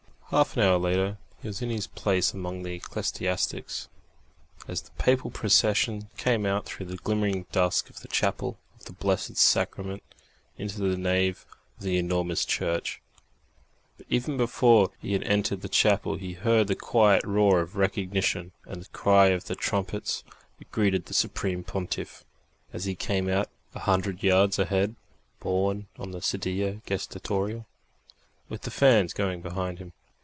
Half an hour later he was in his place among the ecclesiastics, as the papal procession came out through the glimmering dusk of the chapel of the Blessed Sacrament into the nave of the enormous church; but even before he had entered the chapel he heard the quiet roar of recognition and the cry of the trumpets that greeted the Supreme Pontiff as he came out, a hundred yards ahead, borne on the sedia gestatoria, with the fans going behind him.